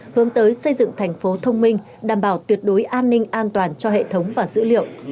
hướng tới xây dựng thành phố thông minh đảm bảo tuyệt đối an ninh an toàn cho hệ thống và dữ liệu